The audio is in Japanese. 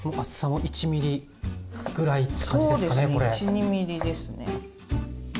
１２ミリですね。